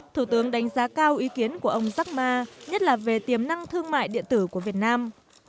thủ tướng đánh giá cao ý kiến của ông zarkma nhất là về tiềm năng thương mại điện tử của việt nam